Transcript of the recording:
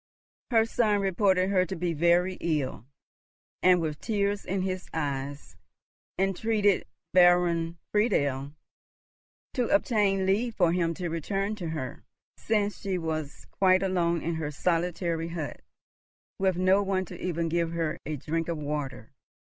Her son reported her to be very ill, and with tears in his eyes entreated Baron Friedel to obtain leave for him to return to her, since she was quite alone in her solitary hut, with no one even to give her a drink of water.